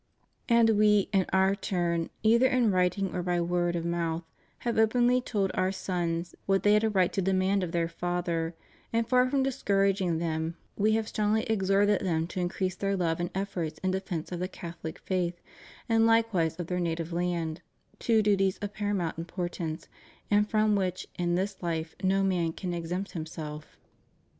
And We, in Our turn, either in writing or by word of mouth, have openly told Our sons what they had a right to demand of their Father, and, far from discouraging them, We have strongly exhorted them to increase their love and efforts in defence of the Catholic faith and Ukewise of their native land : two duties of paramount importance, and from which, in this life, no man can exempt himself.